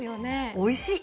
おいしい！